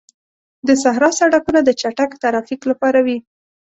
د صحرا سړکونه د چټک ترافیک لپاره وي.